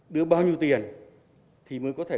đưa bao nhiêu tiền thì mới có thể